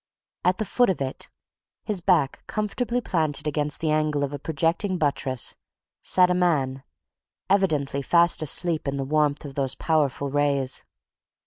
At the foot of it, his back comfortably planted against the angle of a projecting buttress, sat a man, evidently fast asleep in the warmth of those powerful rays.